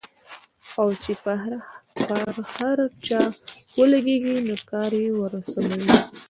او چې پر هر چا ولګېږي نو کار يې ورسموي.